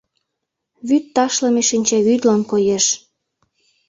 Вӱд ташлыме шинчавӱдлан коеш.